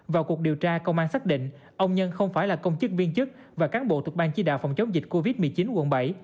vào cuộc điều tra công an xác định ông nhân không phải là công chức viên chức và cán bộ thuộc ban chỉ đạo phòng chống dịch covid một mươi chín quận bảy